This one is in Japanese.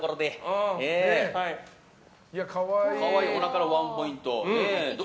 可愛いおなかのワンポイントも。